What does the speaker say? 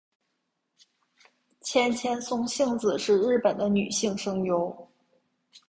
千千松幸子是日本的女性声优。